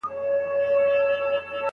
آیا ښوونکی تر مدیر ډېر تدریس کوي؟